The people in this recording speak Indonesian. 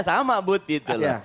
sama bud gitu loh